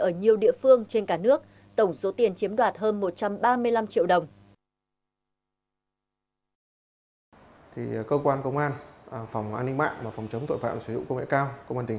ở nhiều địa phương trên cả nước tổng số tiền chiếm đoạt hơn một trăm ba mươi năm triệu đồng